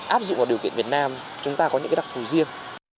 áp dụng vào điều kiện việt nam chúng ta có những đặc thù riêng